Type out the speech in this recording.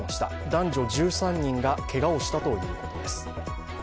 男女１３人がけがをしたということです。